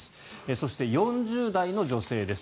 そして４０代の女性です。